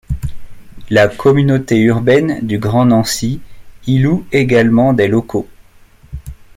La Communauté urbaine du Grand Nancy y loue également des locaux.